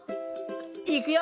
いくよ！